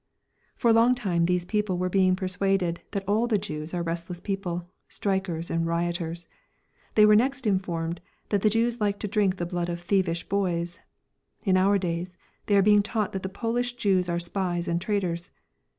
For a long time these people were being persuaded that all the Jews are restless people, strikers and rioters. They were next informed that the Jews like to drink the blood of thievish boys. In our days they are being taught that the Polish Jews are spies and traitors.